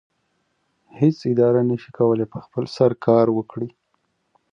هیڅ اداره نشي کولی په خپل سر کار وکړي.